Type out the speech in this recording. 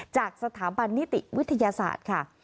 จากสถาบันนิติวิทยาศาสตร์ค่ะ